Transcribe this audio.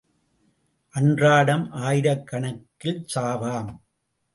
அன்றாடம் ஆயிரக்கணக்கில் சாவாம்.